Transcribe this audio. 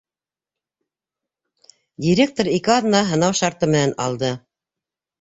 Директор ике аҙна һынау шарты менән алды.